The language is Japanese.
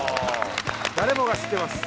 誰もが知ってます